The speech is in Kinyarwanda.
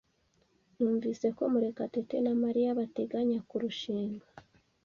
Numvise ko Murekatete na Mariya bateganya kurushinga.